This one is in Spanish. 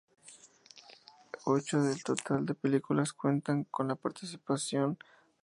Ocho del total de películas cuentan con la participación de Johnny Sheffield como "Boy".